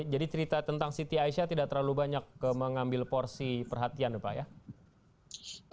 jadi cerita tentang siti aisyah tidak terlalu banyak mengambil porsi perhatian ya pak